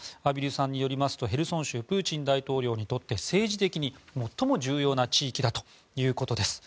畔蒜さんによりますとヘルソン州プーチン大統領にとって政治的に最も重要な地域だということです。